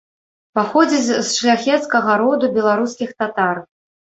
Паходзіць з шляхецкага роду беларускіх татар.